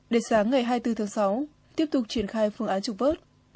để sáng ngày hai mươi bốn tháng sáu tiếp tục triển khai phương án chụp vớt